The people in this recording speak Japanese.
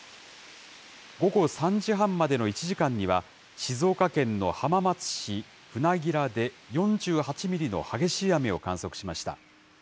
午後３時半までの１時間には、静岡県の浜松市船明で４８ミリの激しい雨を観測しました。